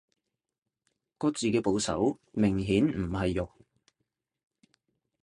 個字嘅部首明顯唔係肉